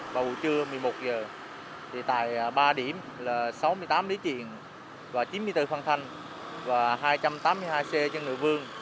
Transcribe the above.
vào buổi trưa một mươi một h tại ba điểm là sáu mươi tám lý triện và chín mươi bốn phân thanh và hai trăm tám mươi hai xe chân nữ vương